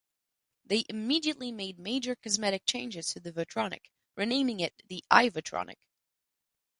They immediately made major cosmetic changes to the Votronic, renaming it the iVotronic.